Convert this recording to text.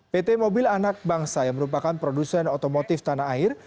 pt mobil anak bangsa yang merupakan produsen otomotif tanah air